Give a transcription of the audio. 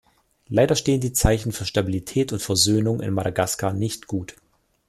Leider stehen die Zeichen für Stabilität und Versöhnung in Madagaskar nicht gut.